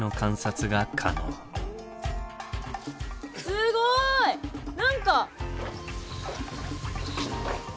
すごい！何か。